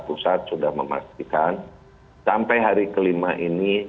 pusat sudah memastikan sampai hari kelima ini